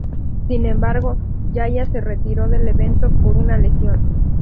Sin embargo, Yahya se retiró del evento por una lesión.